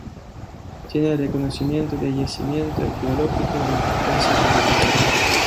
Tiene el reconocimiento de yacimiento arqueológico de importancia federal.